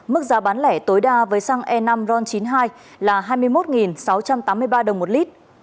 mức giá bán lẻ tối đa với xăng e năm ron chín mươi hai là hai mươi một sáu trăm tám mươi ba đồng một lít